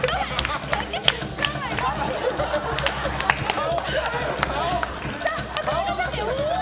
顔！